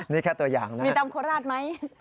นี่แค่ตัวอย่างนะมีตำโคราชไหม